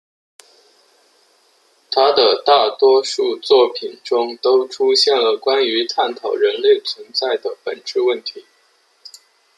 他的大多数作品中都出现了关于探讨人类存在的本质问题。